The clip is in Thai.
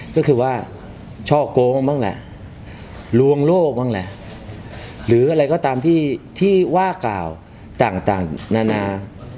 ก็คือว่าช่อโกงบ้างแหละลวงโลกบ้างแหละหรืออะไรก็ตามที่ที่ว่ากล่าวต่างนานา